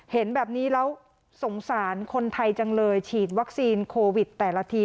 เห็นแบบนี้แล้วสงสารคนไทยจังเลยฉีดวัคซีนโควิดแต่ละที